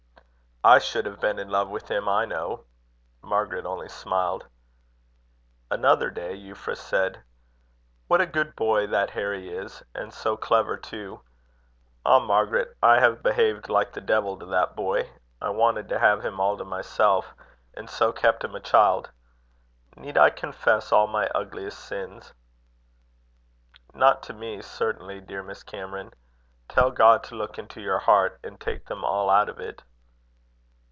"I should have been in love with him, I know." Margaret only smiled. Another day, Euphra said: "What a good boy that Harry is! And so clever too. Ah! Margaret, I have behaved like the devil to that boy. I wanted to have him all to myself, and so kept him a child. Need I confess all my ugliest sins?" "Not to me, certainly, dear Miss Cameron. Tell God to look into your heart, and take them all out of it."